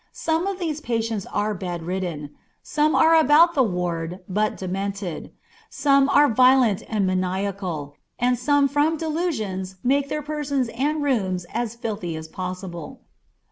Some of these patients are bedridden; some are about the ward, but demented; some are violent and maniacal, and some from delusions make their persons and rooms as filthy as possible.